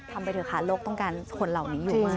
ไปเถอะค่ะโลกต้องการคนเหล่านี้อยู่มาก